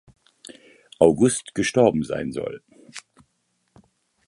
August gestorben sein soll.